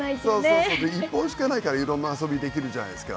そうそうで１本しかないからいろんな遊びできるじゃないですか。